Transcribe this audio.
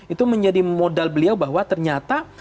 itu menjadi modal beliau bahwa ternyata